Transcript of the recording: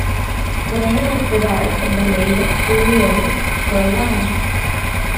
The name is derived from the Latin "leo" for "lion".